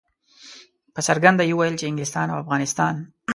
په څرګنده یې ویل چې انګلستان او افغانستان.